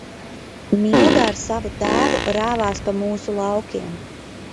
Milda ar savu tēvu rāvās pa mūsu laukiem.